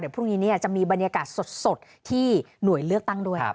พรุ่งนี้จะมีบรรยากาศสดที่หน่วยเลือกตั้งด้วย